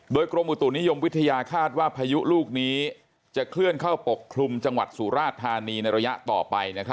โดยกรมอุตุนิยมวิทยาคาดว่าพายุลูกนี้จะเคลื่อนเข้าปกคลุมจังหวัดสุราชธานีในระยะต่อไป